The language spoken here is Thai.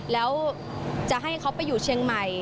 แล้วจะให้เขาไปอยู่เชียงใหม่